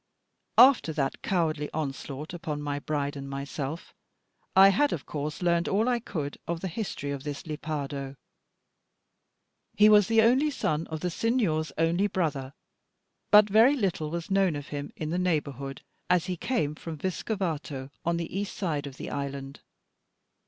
After that cowardly onslaught upon my bride and myself, I had of course learned all I could of the history of this Lepardo. He was the only son of the Signor's only brother, but very little was known of him in the neighbourhood, as he came from Vescovato on the east side of the island.